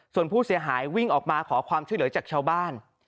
ส่วนผู้เสียหายวิ่งออกมาขอความช่วยเหลือจากชาวบ้าน